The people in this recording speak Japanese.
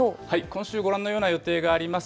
今週、ご覧のような予定があります。